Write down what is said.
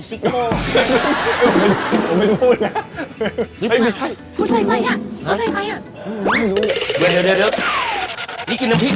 เดี๋ยวนี่กินน้ำพริกเหรอ